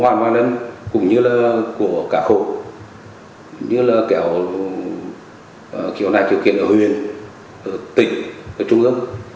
hoàng văn luân cũng như là của cả khổ như là kiểu này kiểu kiện ở huyền tỉnh trung ương